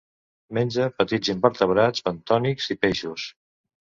Menja petits invertebrats bentònics i peixos.